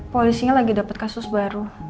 polisinya lagi dapat kasus baru